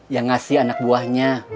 yang ngasih anak buahnya